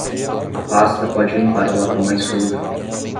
A pasta pode limpar o latão mais sujo.